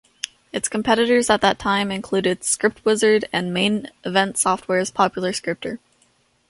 Its competitors at that time included ScriptWizard and Main Event Software's popular Scripter.